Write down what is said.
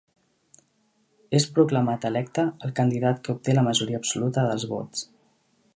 És proclamat electe el candidat que obté la majoria absoluta dels vots.